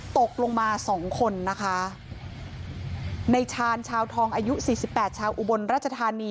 ตกลงมา๒คนนะคะในชานชาวทองอายุ๔๘ชาวอุบลราชธานี